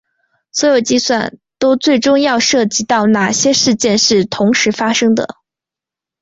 所有计算都最终要涉及到哪些事件是同时发生的。